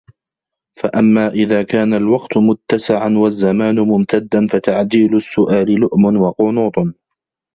فَأَمَّا إذَا كَانَ الْوَقْتُ مُتَّسَعًا وَالزَّمَانُ مُمْتَدًّا فَتَعْجِيلُ السُّؤَالِ لُؤْمٌ وَقُنُوطٌ